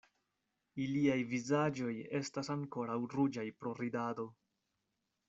Iliaj vizaĝoj estas ankoraŭ ruĝaj pro ridado.